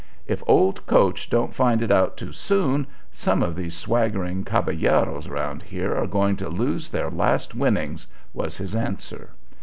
"If old Coach don't find it out too soon, some of these swaggering caballeros around here are going to lose their last winnings," was his answer.